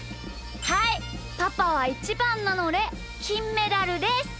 はいパパはイチバンなのできんメダルです！